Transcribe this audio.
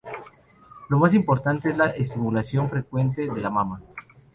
Lo más importante es la estimulación frecuente de la mama.